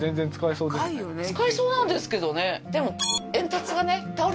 使えそうなんですけどね